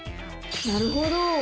なるほど！